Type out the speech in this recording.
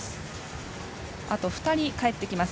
あと２人帰ってきます。